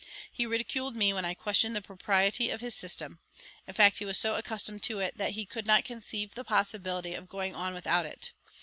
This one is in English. He ridiculed me when I questioned the propriety of his system; in fact he was so accustomed to it that he could not conceive the possibility of going on without it.